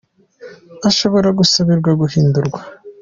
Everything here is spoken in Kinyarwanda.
ashobora gusabirwa guhindurwa.